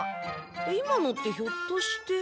今のってひょっとして。